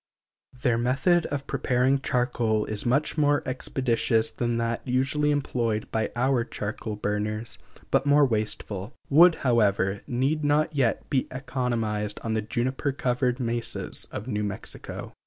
Their method of preparing charcoal is much more expeditious than that usually employed by our charcoal burners, but more wasteful; wood, however, need not yet be economized on the juniper covered mesas of New Mexico.